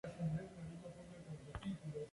Muchas veces son los últimos en comer.